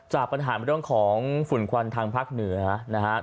จากปัญหาเรื่องของฝุ่นควันทางภาคเหนือนะครับ